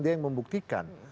dia yang membuktikan